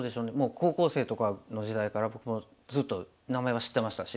高校生とかの時代から僕ずっと名前は知ってましたし。